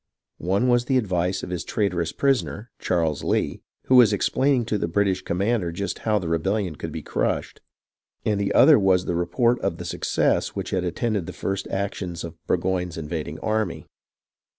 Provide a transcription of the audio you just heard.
One was the ad\ ice of his traitorous prisoner, Charles Lee, who was explaining to the British commander just how the rebellion could be crushed ; and the other was the report of the success which had attended the first actions of Burgo} ne's invading army.